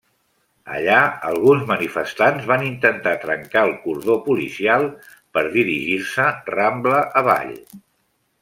Allà, alguns manifestants van intentar trencar el cordó policial per dirigir-se Rambla avall.